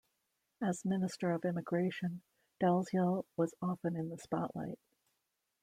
As Minister of Immigration, Dalziel was often in the spotlight.